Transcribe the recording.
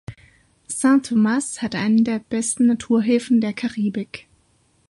Saint Thomas hat einen der besten Naturhäfen der Karibik.